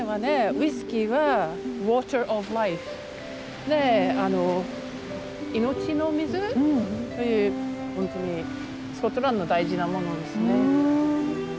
ウイスキーは「ＷａｔｅｒｏｆＬｉｆｅ」で「命の水」という本当にスコットランドの大事なものですね。